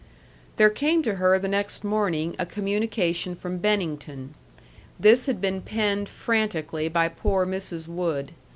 There came to her the next morning a communication from Bennington. This had been penned frantically by poor Mrs. Wood.